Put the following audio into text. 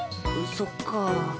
そっか。